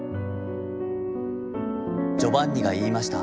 ジョバンニが云ひました」。